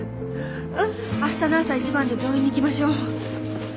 明日の朝一番で病院に行きましょう。